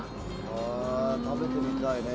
食べてみたいね。